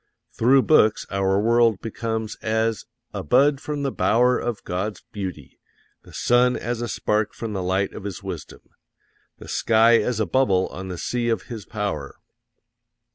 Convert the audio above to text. Through books our world becomes as "a bud from the bower of God's beauty; the sun as a spark from the light of His wisdom; the sky as a bubble on the sea of His Power."